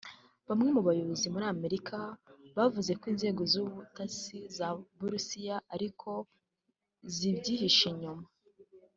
Bamwe mu bayobozi muri Amerika bavuze ko inzego z’ubutasi z’Abarusiya arizo zibyihishe inyuma